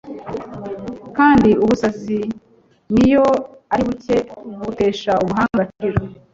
kandi ubusazi, n'iyo ari buke, butesha ubuhanga agaciro